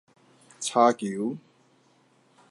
柴球